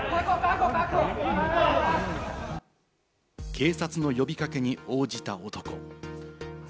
警察の呼びかけに応じた男。